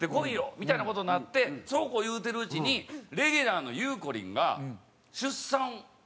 みたいな事になってそうこう言うてるうちにレギュラーのゆうこりんが出産すると。